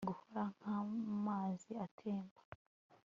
Guhora nkamazi atemba